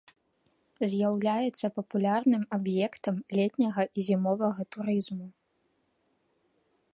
З'яўляецца папулярным аб'ектам летняга і зімовага турызму.